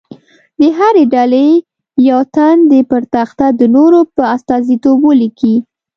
د هرې ډلې یو تن دې پر تخته د نورو په استازیتوب ولیکي.